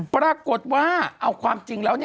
ปรากฏว่าเอาความจริงแล้ว